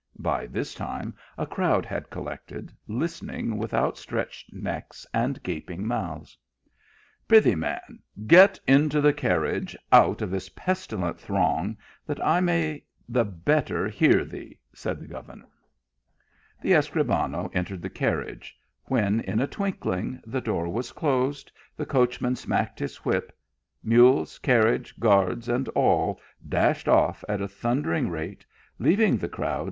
By this time, a crowd had collected, listening with outstretched necks and gaping mouths. " Pry thee man, get into the carnage out of this pestilent throng, that I may the better hear thee," said the governor. The Escribano entered the carriage, when, in a twinkling, the door was closed, the coachrnan smacked Ms whip, mules, carriage, guards, and all dashed off at a thundering rate, leaving the crowd 248 THE AL1JAMBKA.